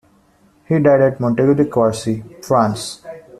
He died at Montaigu-de-Quercy, France.